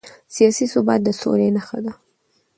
سیاسي ثبات د سولې نښه ده